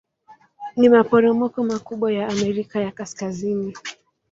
Ni maporomoko makubwa ya Amerika ya Kaskazini.